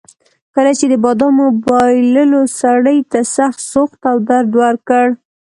کله چې د بادامو بایللو سړي ته سخت سوخت او درد ورکړ.